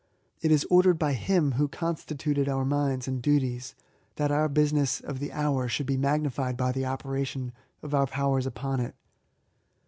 It is ordered by Him who constituted our minds and our duties, that our business of the hour should be magnified by the operation of our powers upon it.